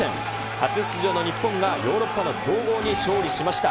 初出場の日本がヨーロッパの強豪に勝利しました。